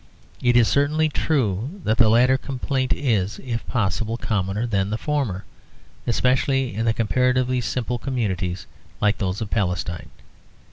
It is certainly true that the latter complaint is, if possible, commoner than the former, especially in comparatively simple communities like those of Palestine.